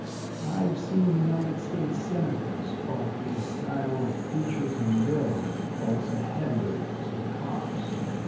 I've seen United States Senators of his style of features and build, also head waiters and cops.